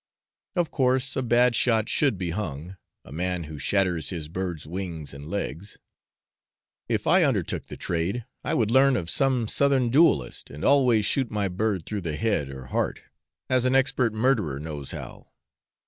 Of course a bad shot should be hung a man who shatters his birds' wings and legs; if I undertook the trade, I would learn of some Southern duellist, and always shoot my bird through the head or heart as an expert murderer knows how.